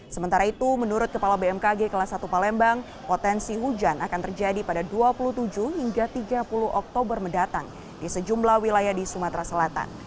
sementara itu menurut kepala bmkg kelas satu palembang potensi hujan akan terjadi pada dua puluh tujuh hingga tiga puluh oktober mendatang di sejumlah wilayah di sumatera selatan